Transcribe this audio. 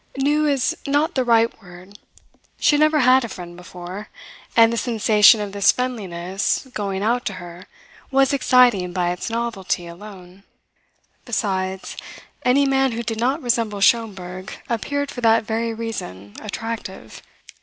New is not the right word. She had never had a friend before; and the sensation of this friendliness going out to her was exciting by its novelty alone. Besides, any man who did not resemble Schomberg appeared for that very reason attractive.